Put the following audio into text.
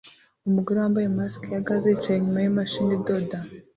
Umugore wambaye mask ya gaze yicaye inyuma yimashini idoda